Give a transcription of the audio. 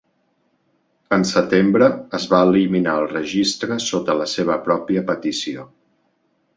En setembre, es va eliminar el registre sota la seva pròpia petició.